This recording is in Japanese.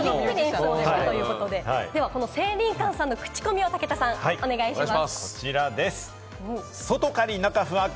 この聖林館さんのクチコミを武田さん、お願いします。